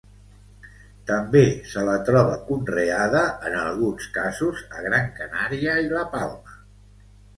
També se la troba conreada en alguns casos a Gran Canària i La Palma.